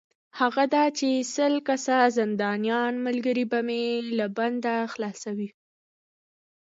هغه دا چې سل کسه زندانیان ملګري به مې له بنده خلاصوې.